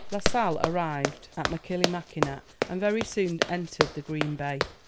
La Sale arrived at Machillimackinac, and very soon entered the Green Bay.